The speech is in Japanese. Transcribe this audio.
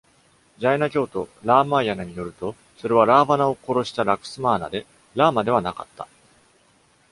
ジャイナ教徒ラーマーヤナによると、それはラーヴァナを殺したラクスマーナで、ラーまではなかった。。